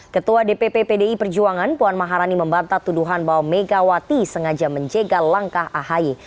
ketua dpp pdi perjuangan puan maharani membantah tuduhan bahwa megawati sengaja menjegal langkah ahi